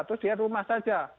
terus dia rumah saja